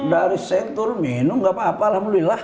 dari sentur minum nggak apa apa alhamdulillah